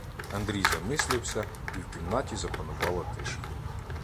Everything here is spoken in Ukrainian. Андрій замислився, і в кімнаті запанувала тиша.